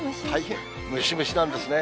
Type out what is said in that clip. ムシムシなんですね。